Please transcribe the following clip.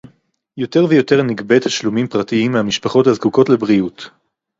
יותר ויותר נגבה תשלומים פרטיים מהמשפחות הזקוקות לבריאות